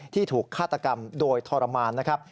ถูกฆาตกรรมโดยทรมานนะครับ